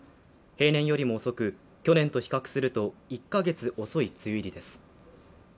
平年よりも遅く去年と比較すると１か月遅い梅雨入りです